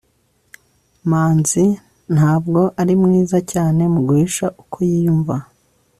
manzi ntabwo ari mwiza cyane mu guhisha uko yiyumva